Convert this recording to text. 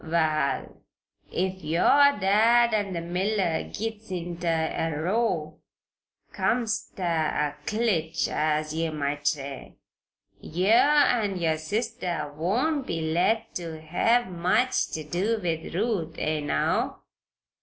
"Wal, if your dad an' the miller gits inter a row comes ter a clinch, as ye might say yeou an' yer sister won't be let ter hev much ter do with Ruth, eh, now?"